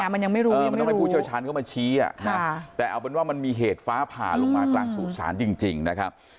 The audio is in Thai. มันยังไม่รู้มันต้องให้ผู้เชี่ยวชาญเข้ามาชี้แต่เอาเป็นว่ามันมีเหตุฟ้าผ่าลงมากลางสู่ศาลจริงนะครับ